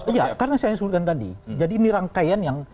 iya karena saya suruhkan tadi jadi ini rangkaian